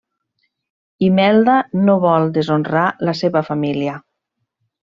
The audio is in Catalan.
Imelda no vol deshonrar la seva família.